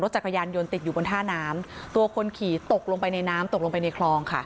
รถจักรยานยนต์ติดอยู่ท่าน้ำตัวคนขอตกลงไปในน้ำในคลอง